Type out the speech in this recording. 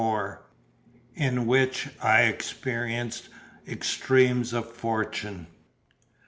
IN WHICH I EXPERIENCE EXTREMES OF FORTUNE.